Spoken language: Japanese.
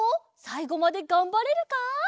さいごまでがんばれるか？